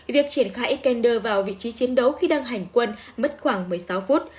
việc triển khai ekender vào vị trí chiến đấu khi đang hành quân mất khoảng một mươi sáu phút